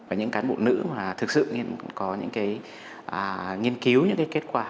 và những cán bộ nữ mà thực sự có những cái nghiên cứu những cái kết quả